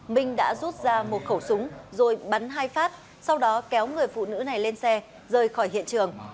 minh đã rút ra một khẩu súng rồi bắn hai phát sau đó kéo người phụ nữ này lên xe rời khỏi hiện trường